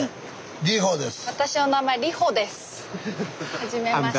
はじめまして。